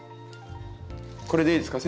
これでいいですか？